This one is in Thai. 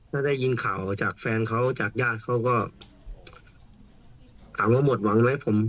ถ้าได้ยินข่าวจากแฟนเขาจากญาติเขาก็ถามว่าหมดหวังไหมผม